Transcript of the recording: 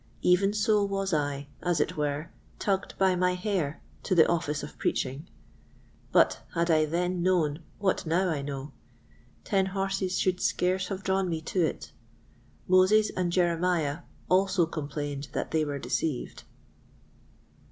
Even so was I, as it were, tugged by my hair to the office of preaching; but had I then known what now I know, ten horses should scarce have drawn me to it. Moses and Jeremiah also complained that they were deceived.